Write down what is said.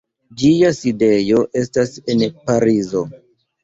Ĝia sidejo estas en Parizo.